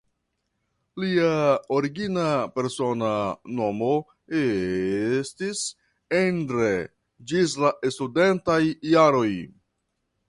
Lia origina persona nomo estis "Endre" ĝis la studentaj jaroj.